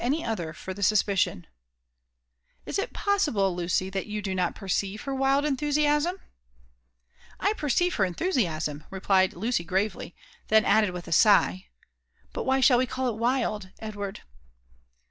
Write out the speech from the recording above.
any other for the suspicion ."" Is it possible, Lucy, that you do not perceire her wild enthu siasmt 'M perceive her enthusiasm,*' replied Lucy gravely; then added with a sigh, ''But why should we call it wild, Edward?